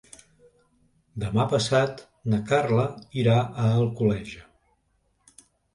Demà passat na Carla irà a Alcoleja.